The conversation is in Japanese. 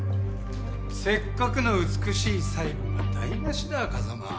せっかくの美しい最期が台無しだ風真。